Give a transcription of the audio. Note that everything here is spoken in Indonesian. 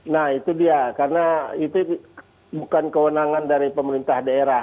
nah itu dia karena itu bukan kewenangan dari pemerintah daerah